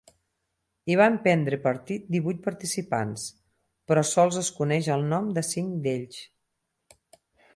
Hi van prendre part divuit participants, però sols es coneix el nom de cinc d'ells.